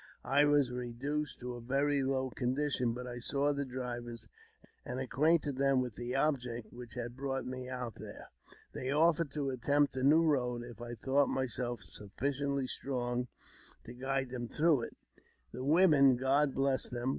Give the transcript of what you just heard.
I was reduced to a very low condition, but I saw the drivers, and acquainted them with the object which had brought me out there. They offered to attempt the new road if I thought myself sufficiently strong to guide them through it. The women, God bless them